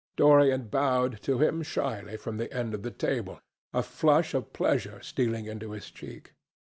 Dorian bowed to him shyly from the end of the table, a flush of pleasure stealing into his cheek.